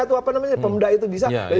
atau apa namanya pemda itu bisa